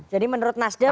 jadi menurut nasdem